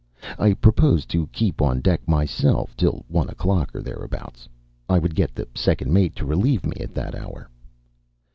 I proposed to keep on deck myself till one o'clock or thereabouts. I would get the second mate to relieve me at that hour.